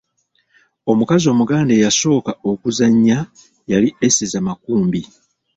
Omukazi omuganda eyasooka okuzannya yali Eseza Makumbi.